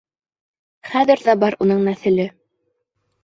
Хәҙер ҙә бар уның нәҫеле.